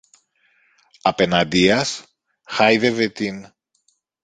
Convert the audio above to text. Απεναντίας, χάιδευε την